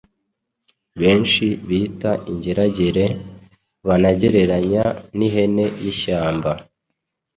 benshi bita ingeragere, banagereranya n’ihene y’ishyamba.